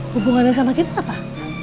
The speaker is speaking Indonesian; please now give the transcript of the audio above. hubungannya sama kita apa